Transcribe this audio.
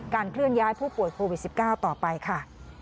เคลื่อนย้ายผู้ป่วยโควิด๑๙ต่อไปค่ะ